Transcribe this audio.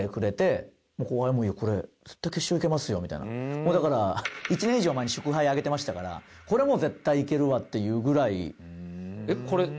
もうだから１年以上前に祝杯あげてましたからこれもう絶対行けるわっていうぐらい。